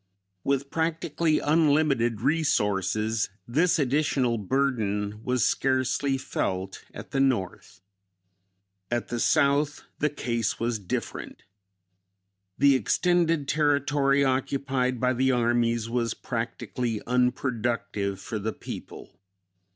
With practically unlimited resources this additional burden was scarcely felt at the North. At the South, the case was different. The extended territory occupied by the armies was practically unproductive for the people.